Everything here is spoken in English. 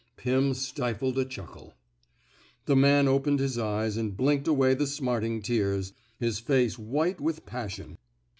Pim stifled a chuckle. The man opened his eyes and blinked away the smarting tears, his face white with passion.